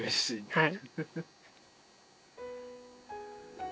はい。